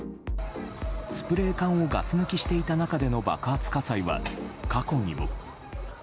スプレー缶をガス抜きしていた中での爆発火災は過去にも。